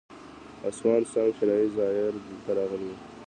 هسوان سانګ چینایي زایر دلته راغلی و